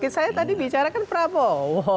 saya tadi bicara kan prabowo